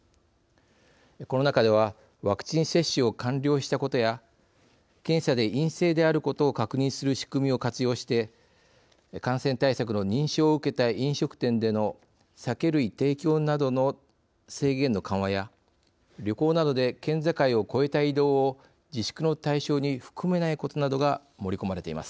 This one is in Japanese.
この中ではワクチン接種を完了したことや検査で陰性であることを確認する仕組みを活用して感染対策の認証を受けた飲食店での酒類提供などの制限の緩和や旅行などで県境を越えた移動を自粛の対象に含めないことなどが盛り込まれています。